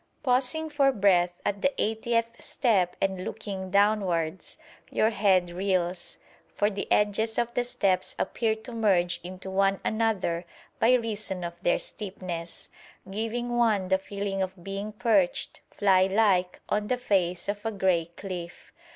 Pausing for breath at the eightieth step and looking downwards, your head reels; for the edges of the steps appear to merge into one another by reason of their steepness, giving one the feeling of being perched, fly like, on the face of a grey cliff.